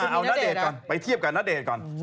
เอานาเดชก่อนไปเทียบกับนาเดชก่อน